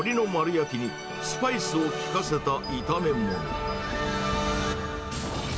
ミャンマー式とりの丸焼きに、スパイスを利かせた炒め物。